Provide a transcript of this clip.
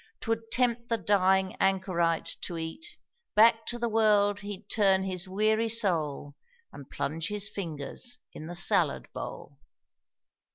'Twould tempt the dying anchorite to eat, Back to the world he'd turn his weary soul, And plunge his fingers in the salad bowl.